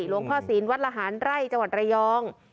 หลวงพ่อศีลวัดละหารไร่จังหวัดระยอง